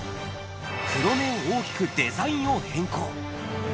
黒目を大きくデザインを変更。